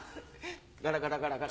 ガラガラガラガラ。